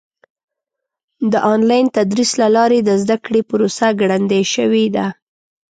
د آنلاین تدریس له لارې د زده کړې پروسه ګړندۍ شوې ده.